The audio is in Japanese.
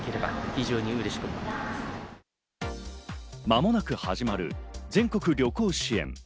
間もなく始まる全国旅行支援。